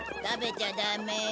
食べちゃダメ。